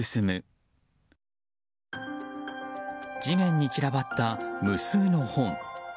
地面に散らばった無数の本。